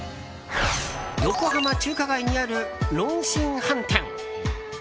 横浜中華街にある、龍興飯店。